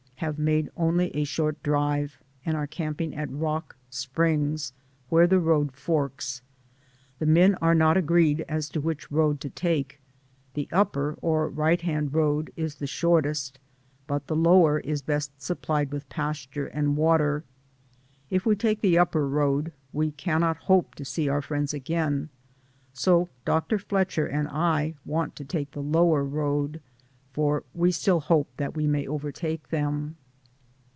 Have made only a short drive, and are camping at DAYS ON THE ROAD. 191 Rock Springs, where the road forks. The men are not agreed as to which road to take ; the upper — or right hand road — is the shortest, but the lower is best supplied with pasture and water. If we take the upper road we cannot hope to see our friends again, so Dr. Fletcher and I want to take the lower road, for we still hope that we may overtake them.